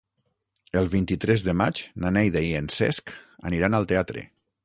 El vint-i-tres de maig na Neida i en Cesc aniran al teatre.